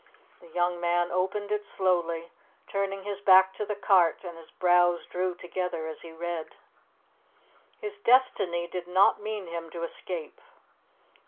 The young man opened it slowly, turning his back to the cart, and his brows drew together as he read. His destiny did not mean him to escape.